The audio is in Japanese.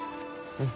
うん。